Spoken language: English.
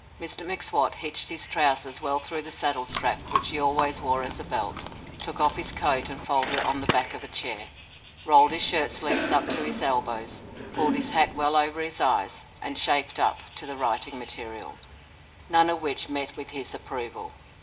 Mr M'Swat hitched his trousers well through the saddle strap which he always wore as a belt, took off his coat and folded it on the back of a chair, rolled his shirt sleeves up to his elbows, pulled his hat well over his eyes, and "shaped up" to the writing material, none of which met with his approval.